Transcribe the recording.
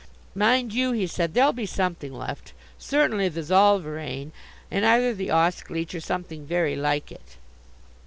"Mind you," he said, "there'll be something left certainly the Zollverein and either the Ausgleich or something very like it."